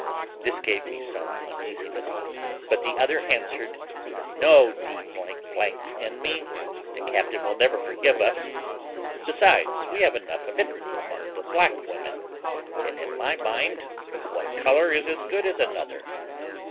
This gave me some uneasiness; but the other answered, 'No, d n me, the captain will never forgive us: besides, we have enough of it among the black women, and, in my mind, one colour is as good as another.'